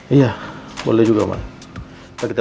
iya boleh juga ma